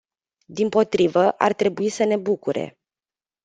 Dimpotrivă, ar trebui să ne bucure.